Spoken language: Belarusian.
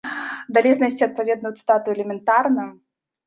Далей знайсці адпаведную цытату элементарна.